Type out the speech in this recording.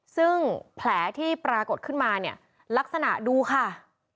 ซึ่งแผลที่ปรากฏขึ้นมาเนี่ยลักษณะดูค่ะ